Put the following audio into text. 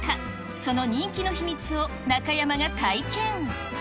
その人気の秘密を中山が体験。